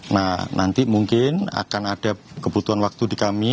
nah nanti mungkin akan ada kebutuhan waktu di kami